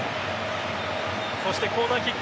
そしてコーナーキック